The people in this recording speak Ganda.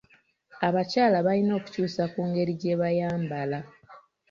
Abakyala balina okukyusa ku ngeri gye bayambala.